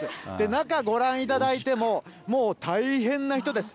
中、ご覧いただいても、もう大変な人です。